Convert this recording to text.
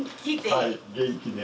はい元気で。